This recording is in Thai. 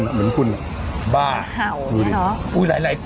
เหมือนคุณเหรอบ้าดูดิอุ๊ยหลายตัวนะเธอ